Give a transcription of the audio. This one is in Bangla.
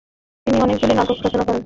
তিনি অনেকগুলি নাটক রচনা করেন।